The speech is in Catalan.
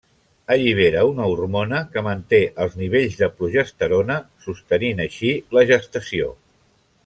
Allibera una hormona que manté els nivells de progesterona, sostenint així la gestació.